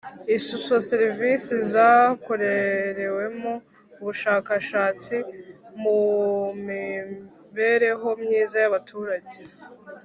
Ishusho Serivisi zakorereweho ubushakashatsi mu mibereho myiza y abaturage